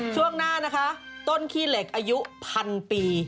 ช่วงหน้านะคะต้นขี้เหล็กอายุพันปี